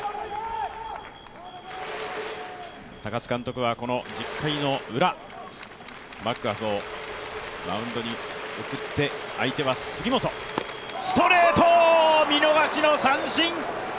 高津監督は１０回のウラ、マクガフをマウンドに送って相手は杉本、ストレート、見逃しの三振。